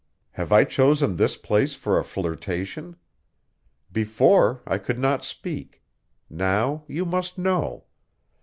Have I chosen this place for a flirtation? Before, I could not speak; now you must know.